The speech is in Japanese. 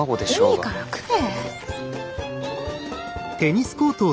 いいから食え。